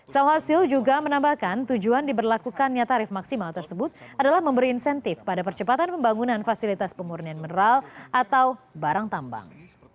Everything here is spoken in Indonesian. sawhasil juga menambahkan tujuan diberlakukannya tarif maksimal tersebut adalah memberi insentif pada percepatan pembangunan fasilitas pemurnian mineral atau barang tambang